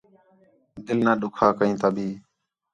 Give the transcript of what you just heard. دِِل نہ ݙُکھا کئیں تا بھی